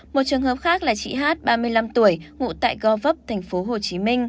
một trường hợp khác là chị hát ba mươi năm tuổi ngụ tại go vấp tp hcm